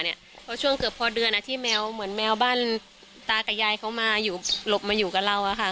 เพราะช่วงเกือบพอเดือนที่แมวเหมือนแมวบ้านตากับยายเขามาหลบมาอยู่กับเรา